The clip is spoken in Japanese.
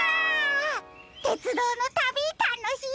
てつどうのたびたのしいですね！